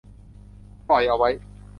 ปล่อยเอาไว้